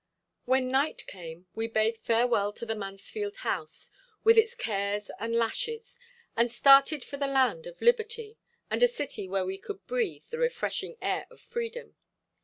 When night came we bade farewell to the Mansfield house with its cares and lashes, and started for the land of liberty and a city where we could breathe the refreshing air of freedom.